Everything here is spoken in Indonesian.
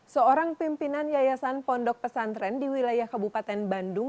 seorang pimpinan yayasan pondok pesantren di wilayah kabupaten bandung